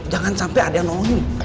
jangan sampai ada yang ngomongin